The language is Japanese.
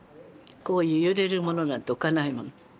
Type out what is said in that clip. こういう揺れるものなんて置かないもん。